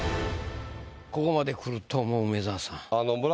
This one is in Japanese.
ここまでくるともう梅沢さん。